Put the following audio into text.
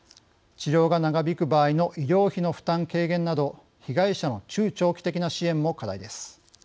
治療が長引く場合の医療費の負担軽減など被害者の中長期的な支援も課題です。